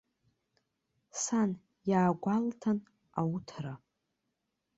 Сан иаагәалҭан ауҭра.